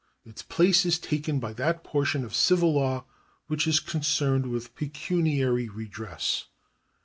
Its place is taken by that portion of civil law which is concerned with pecuniary redress.